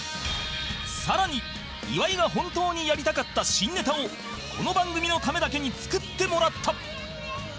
更に岩井が本当にやりたかった新ネタをこの番組のためだけに作ってもらった